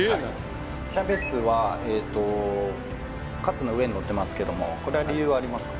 キャベツはカツの上にのってますけどもこれは理由はありますか？